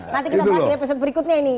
nanti kita bahas di episode berikutnya ini